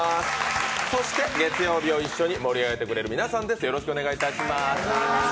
そして月曜日を一緒に盛り上げてくださる皆さんです。